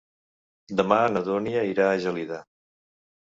Demà na Dúnia irà a Gelida.